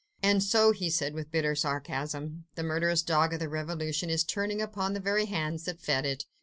"And so," he said with bitter sarcasm, "the murderous dog of the revolution is turning upon the very hands that fed it?